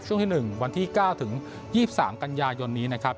ช่วงที่๑วันที่๙ถึง๒๓กันยายนนี้นะครับ